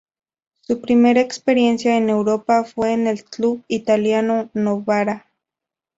Su primera experiencia en Europa fue en el club italiano Novara.